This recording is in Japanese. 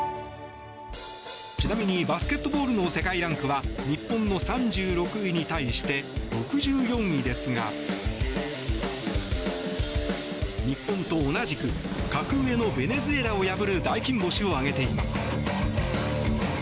ちなみにバスケットボールの世界ランクは日本の３６位に対して６４位ですが日本と同じく格上のベネズエラを破る大金星を挙げています。